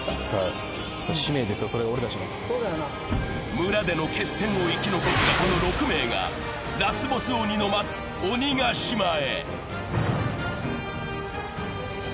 村での決戦を生き残ったこの６名が、ラスボス鬼の待つ鬼ヶ島へ。